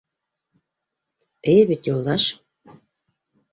Эйе бит, Юлдаш?..